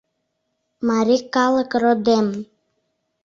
Марий калык родем